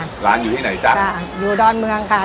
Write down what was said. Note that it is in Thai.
ร้านอยู่ที่ไหนกะ